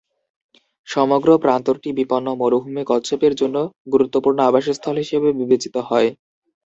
সমগ্র প্রান্তরটি বিপন্ন মরুভূমি কচ্ছপের জন্য গুরুত্বপূর্ণ আবাসস্থল হিসেবে বিবেচিত হয়।